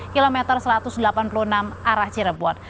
kilometer satu ratus delapan puluh enam arah cirebon